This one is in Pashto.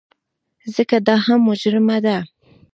ځکه دا هم مجرمه ده.